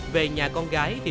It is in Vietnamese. về nhà con gái